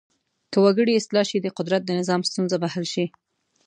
که وګړي اصلاح شي د قدرت د نظام ستونزه به حل شي.